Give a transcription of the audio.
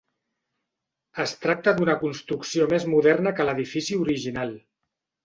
Es tracta d'una construcció més moderna que l'edifici original.